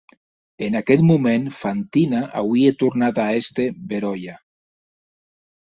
En aqueth moment Fantina auie tornat a èster beròia.